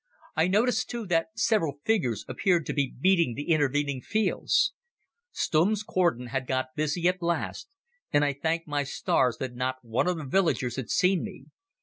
I noticed, too, that several figures appeared to be beating the intervening fields. Stumm's cordon had got busy at last, and I thanked my stars that not one of the villagers had seen me.